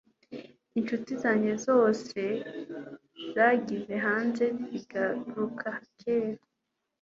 ishuti zanjye zose zagiye hanze zizagaruka kera